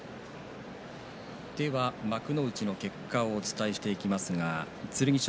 では幕内の結果をお伝えしていきます。